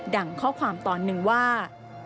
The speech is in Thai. ั่งข้อความตอนหนึ่งว่า